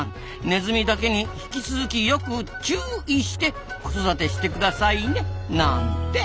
ネズミだけに引き続きよくチュウいして子育てしてくださいね！なんて！